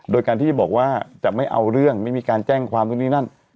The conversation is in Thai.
โดยการที่บอกว่าจะไม่เอาเรื่องไม่มีการแจ้งความตรงนี้นั่น